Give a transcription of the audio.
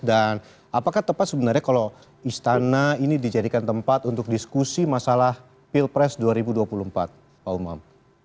apakah tepat sebenarnya kalau istana ini dijadikan tempat untuk diskusi masalah pilpres dua ribu dua puluh empat pak umam